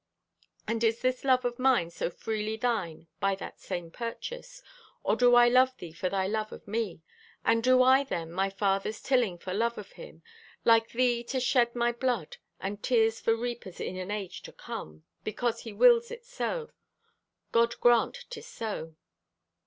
And is this love of mine so freely thine by that same purchase, or do I love thee for thy love of me? And do I, then, my father's tilling for love of Him, like thee to shed my blood and tears for reapers in an age to come, because He wills it so? God grant 'tis so!"